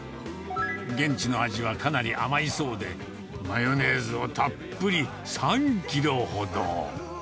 現地の味はかなり甘いそうで、マヨネーズをたっぷり３キロほど。